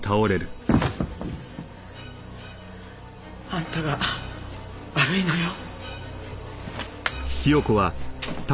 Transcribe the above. あんたが悪いのよ。